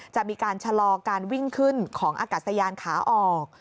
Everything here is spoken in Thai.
จะมีการชะลอการวิ่งขึ้นของอากาศยานขาออก